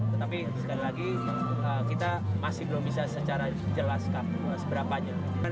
tetapi sekali lagi kita masih belum bisa secara jelas seberapanya